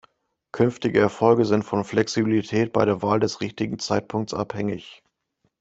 Künftige Erfolge sind von Flexibilität bei der Wahl des richtigen Zeitpunkts abhängig.